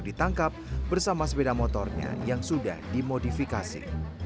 ditangkap bersama sepeda motornya yang sudah dimodifikasi